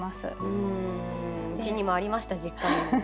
うんうちにもありました実家に。